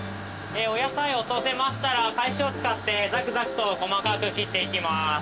お野菜落とせましたら返しを使ってザクザクと細かく切っていきます。